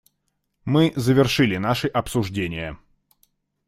Мы завершили наши обсуждения.